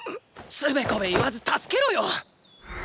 つべこべ言わず助けろよ！！